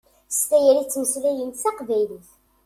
S tayri i ttmeslayent taqbaylit.